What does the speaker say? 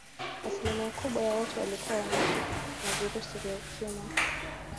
asilimia kubwa ya watu walikuwa wanaishi na virusi vya ukimwi